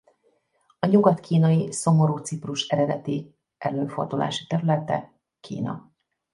A nyugat-kínai szomorú ciprus eredeti előfordulási területe Kína.